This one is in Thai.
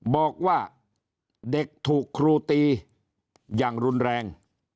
บอกว่าเด็กถูกครูตีอย่างรุนแรง